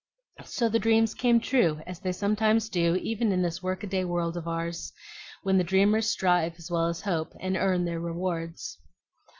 So the dreams came true, as they sometimes do even in this work a day world of ours, when the dreamers strive as well as hope, and earn their rewards.